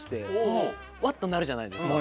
うわっ！となるじゃないですか。